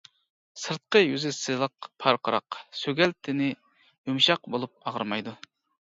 سىرتقى يۈزى سىلىق، پارقىراق، سۆگەل تېنى يۇمشاق بولۇپ ئاغرىمايدۇ.